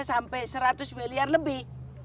sampai seratus miliar lebih